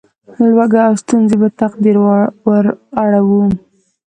لوږه او ستونزې په تقدیر وراړوو.